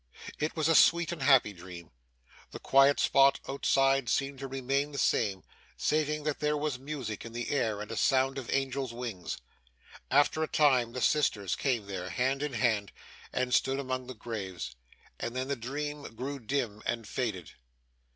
It was a sweet and happy dream. The quiet spot, outside, seemed to remain the same, saving that there was music in the air, and a sound of angels' wings. After a time the sisters came there, hand in hand, and stood among the graves. And then the dream grew dim, and faded.